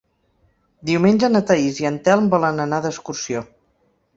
Diumenge na Thaís i en Telm volen anar d'excursió.